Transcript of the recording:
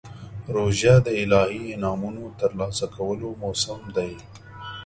روژه د الهي انعامونو ترلاسه کولو موسم دی.